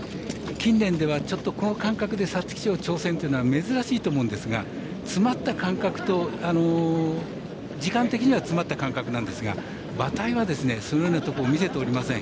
近年では、この間隔で皐月賞挑戦というのは珍しいと思うんですが詰まった感覚と、時間的には詰まった間隔なんですが馬体は、そのようなことを見せておりません。